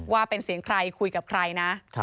ว่าเป็นเสียงใครคุยกับใครนะ